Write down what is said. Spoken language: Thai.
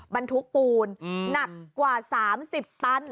บรรทุกปูนหนักกว่า๓๐ตัน